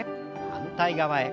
反対側へ。